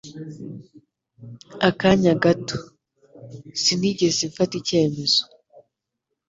Akanya gato. Sinigeze mfata icyemezo.